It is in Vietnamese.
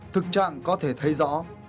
thực trạng có thể thấy rõ